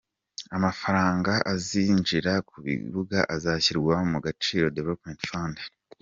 Amafaranga azinjira ku bibuga azashyirwa mu “Agaciro Development Fund”.